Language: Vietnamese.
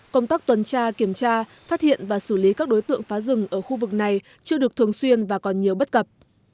công tác tuần tra kiểm tra phát hiện và xử lý các đối tượng phá rừng ở khu vực này chưa được thường xuyên và còn nhiều bất cập